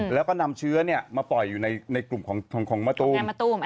แล้วก็นำเชื้อมาปล่อยอยู่ในกลุ่มของมะตูม